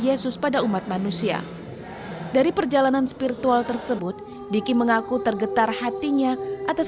yesus pada umat manusia dari perjalanan spiritual tersebut diki mengaku tergetar hatinya atas